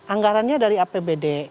anggarannya dari apbd